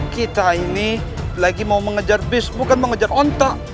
kita ini lagi mau mengejar bis bukan mengejar otak